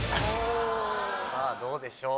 さぁどうでしょう？